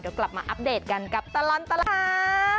เดี๋ยวกลับมาอัปเดตกันกับตลอดตลาด